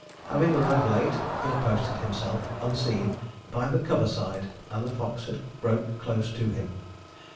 Having arrived late, he had posted himself, unseen, by the cover side, and the fox had broke close to him.